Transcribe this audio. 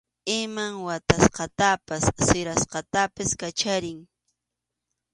Ima watasqatapas sirasqatapas kachariy.